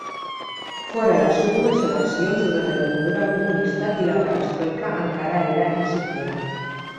Foren les últimes eleccions durant la dictadura comunista i la perestroika encara era incipient.